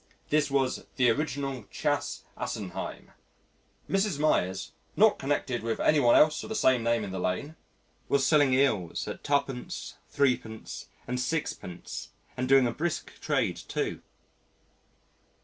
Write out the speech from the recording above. This was "the original Chas. Assenheim." Mrs. Meyers, "not connected with any one else of the same name in the Lane" was selling eels at 2d., 3d. and 6d. and doing a brisk trade too.